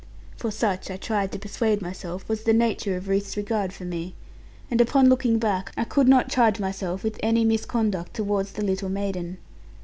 For such, I tried to persuade myself, was the nature of Ruth's regard for me: and upon looking back I could not charge myself with any misconduct towards the little maiden.